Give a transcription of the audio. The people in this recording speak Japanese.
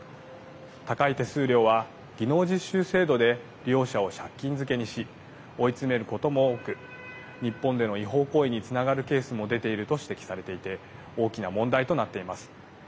高い手数料は技能実習制度で利用者を借金漬けにし追い詰めることも多く日本での違法行為につながるケースも出ていると指摘されていて大きな問題となっています。